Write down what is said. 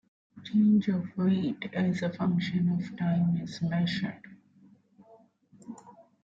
Change of weight as a function of time is measured.